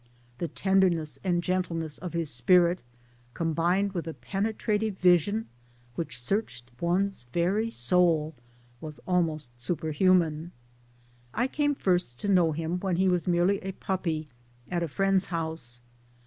The tenderness and gentleness of his spirit, combined with a penetrative vision which searched one's very soul, was almost superhuman. I came first to know him; when he was merely a puppy at a friend's house.